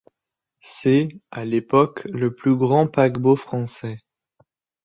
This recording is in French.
C’est, à l’époque, le plus grand paquebot français.